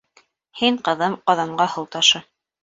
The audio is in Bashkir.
— Һин, ҡыҙым, ҡаҙанға һыу ташы!